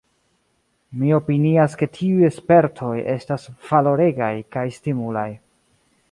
Mi opinias ke tiuj spertoj estas valoregaj kaj stimulaj.